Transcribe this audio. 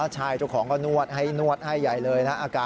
ใช่จุดของก็นวดให้ใหญ่เลยนะฮะ